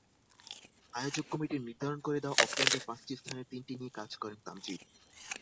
আয়োজক কমিটির নির্ধারণ করে দেওয়া অকল্যান্ডের পাঁচটি স্থানের তিনটি নিয়ে কাজ করেন তামজিদ।